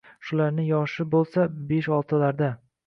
«Shularni yoshi, bo‘lsa, besh-oltilarda.